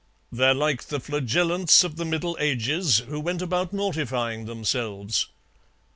"They're like the Flagellants of the Middle Ages, who went about mortifying themselves."